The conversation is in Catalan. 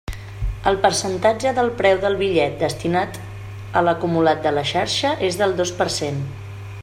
El percentatge del preu del bitllet destinat a l'acumulat de xarxa és del dos per cent.